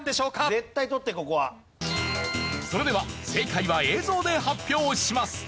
絶対取ってここは。それでは正解は映像で発表します。